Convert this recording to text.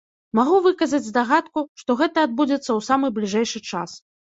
Магу выказаць здагадку, што гэта адбудзецца ў самы бліжэйшы час.